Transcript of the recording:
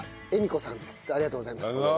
ありがとうございます。